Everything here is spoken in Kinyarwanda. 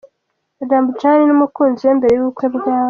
Ramjaane n'umukunzi we mbere y'ubukwe bwabo.